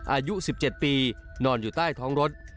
อายุ๑๗ปีนอนอยู่ใต้ท้องรถ